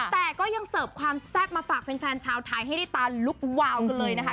แต่ก็ยังเสิร์ฟความแซ่บมาฝากแฟนชาวไทยให้ได้ตาลุกวาวกันเลยนะคะ